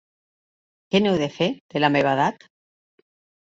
Què n'heu de fer, de la meva edat?